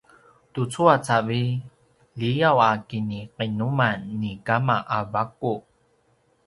tucu a cavilj liyaw a kiniqinuman ni kama a vaqu